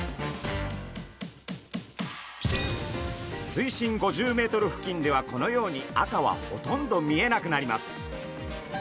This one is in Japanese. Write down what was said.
水深５０ｍ付近ではこのように赤はほとんど見えなくなります。